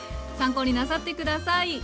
参考になさって下さい。